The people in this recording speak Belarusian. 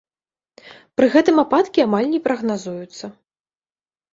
Пры гэтым ападкі амаль не прагназуюцца.